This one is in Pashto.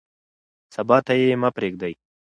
سبا ته یې مه پرېږدئ.